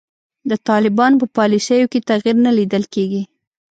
د طالبانو په پالیسیو کې تغیر نه لیدل کیږي.